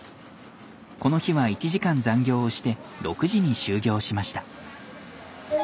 この日は１時間残業をして６時に終業しました。